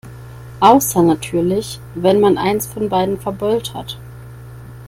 Außer natürlich, wenn man eins von beiden verbeult hat.